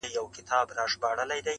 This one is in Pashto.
زاړه به ځي نوي نسلونه راځي.!